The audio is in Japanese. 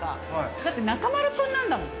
だって中丸君なんだもん。